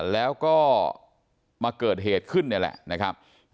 แล้วก็มาเกิดเหตุขึ้นนี่แหละนะครับ